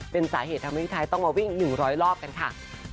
เป็นสาเหตุทำให้พี่ไทยต้องมาวิ่ง๑๐๐รอบกันค่ะ